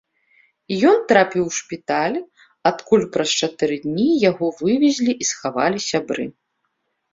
Ён трапіў у шпіталь, адкуль праз чатыры дні яго вывезлі і схавалі сябры.